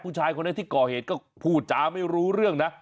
ผู้ชายคนนี้ที่ก่อเหตุก็พูดจาไม่รู้เรื่องนะ